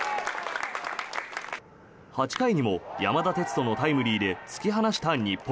８回にも山田哲人のタイムリーで突き放した日本。